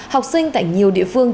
học sinh tại nhiều địa phương